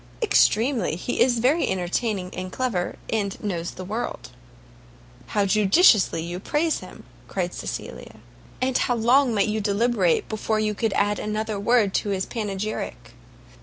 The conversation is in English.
"Extremely; he is very entertaining and clever, and knows the world." "How judiciously do you praise him!" cried Cecilia; "and how long might you deliberate before you could add another word to his panegyric!"